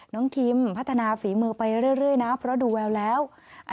คิมพัฒนาฝีมือไปเรื่อยนะเพราะดูแววแล้ว